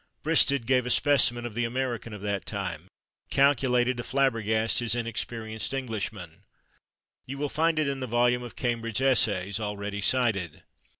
Bristed gave a specimen of the American of that time, calculated to flabbergast his inexperienced Englishman; you will find it in the volume of Cambridge Essays, already cited.